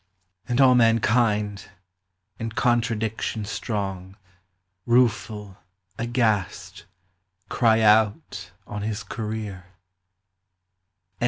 189 And all mankind, in contradiction strong, Rueful, aghast, cry out on his career, DR.